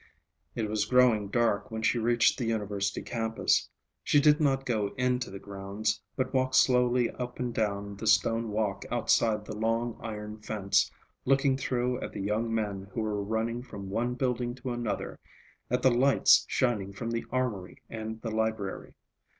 It was growing dark when she reached the university campus. She did not go into the grounds, but walked slowly up and down the stone walk outside the long iron fence, looking through at the young men who were running from one building to another, at the lights shining from the armory and the library.